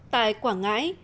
tại quảng ngãi